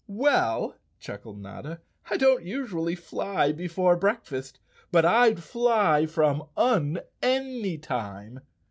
"Well," chuckled Notta, "I don't usually fly before breakfast, but I'd fly from Un any time."